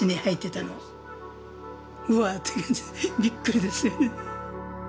うわって感じびっくりですよね。